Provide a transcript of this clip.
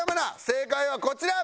正解はこちら。